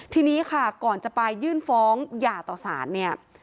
ทีนี้ค่ะก่อนจะไปยื่นฟ้องหย่าต่อสารเนี่ย